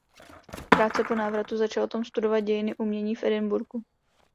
Krátce po návratu začal Tom studovat dějiny umění v Edinburghu.